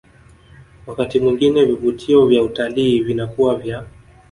Wakati mwingine vivutio vya utalii vinakuwa vya